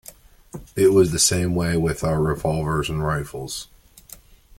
It was the same way with our revolvers and rifles.